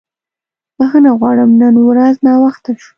بښنه غواړم نن ورځ ناوخته شو.